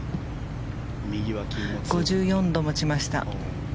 ５４度を持ちました。